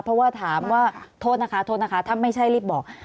เพราะว่าถามว่าโทษนะคะถ้าไม่ใช่รีบบอกว่า